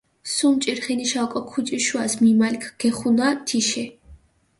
სუმ ჭირხინიშა ოკო ქუჭიშუას მიმალქჷ გეხუნა თიში.